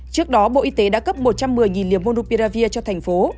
trước đó bộ y tế đã cấp một trăm một mươi liều monopiravir cho tp hcm